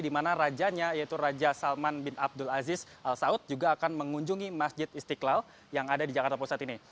di mana rajanya yaitu raja salman bin abdul aziz al saud juga akan mengunjungi masjid istiqlal yang ada di jakarta pusat ini